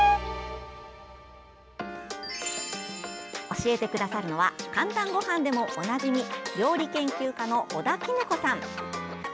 教えてくださるのは「かんたんごはん」でもおなじみ料理研究家の尾田衣子さん。